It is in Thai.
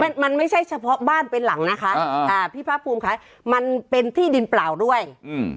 มันมันไม่ใช่เฉพาะบ้านเป็นหลังนะคะอ่าอ่าพี่ภาคภูมิค่ะมันเป็นที่ดินเปล่าด้วยอืม